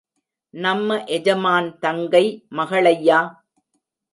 நம்ம எஜமான் தங்கை மகளாய்யா.